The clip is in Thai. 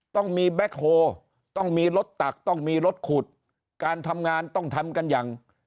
ต้องมีแบ็คโฮต้องมีรถตักต้องมีรถขุดการทำงานต้องทำกันอย่าง